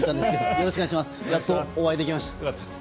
よろしくお願いします。